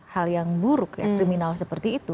hal yang buruk ya kriminal seperti itu